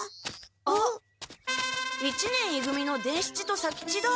あっ一年い組の伝七と左吉だ。